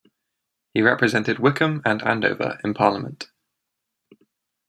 He represented Wycombe and Andover in Parliament.